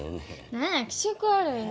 何や気色悪いなあ。